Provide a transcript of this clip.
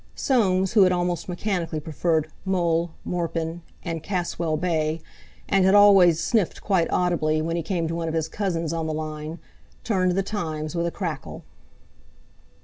Soames, who had almost mechanically preferred Mole, Morpin, and Caswell Baye, and had always sniffed quite audibly when he came to one of his cousin's on the line, turned The Times with a crackle.